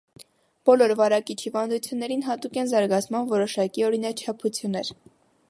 Բոլոր վարակիչ հիվանդություններին հատուկ են զարգացման որոշակի օրինաչափություններ։